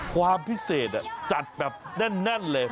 ความพิเศษจัดแบบแน่นเลย